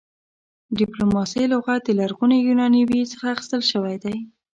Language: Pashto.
ډيپلوماسۍ لغت د لرغوني يوناني ویي څخه اخيستل شوی دی